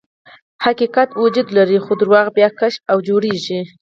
حقیقت وجود لري، خو درواغ بیا کشف او جوړیږي.